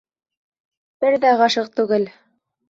Бер ҙә ғашиҡ түгел.